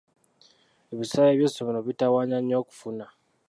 Ebisale by'essomero bintawaanya nnyo okufuna.